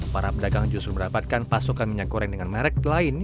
para pedagang justru mendapatkan pasokan minyak goreng dengan merek lain